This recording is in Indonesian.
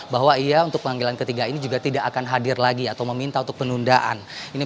bahwa ia untuk panggilan ketiga ini juga tidak akan hadir lagi atau meminta untuk penundaan